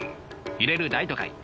揺れる大都会。